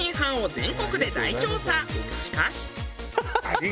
しかし。